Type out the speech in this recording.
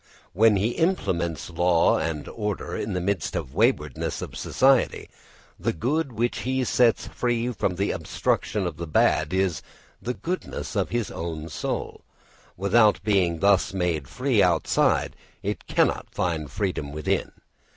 When he implants law and order in the midst of the waywardness of society, the good which he sets free from the obstruction of the bad is the goodness of his own soul: without being thus made free outside it cannot find freedom within.